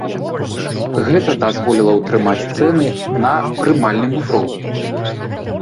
Гэта дазволіла ўтрымаць цэны на прымальным узроўні.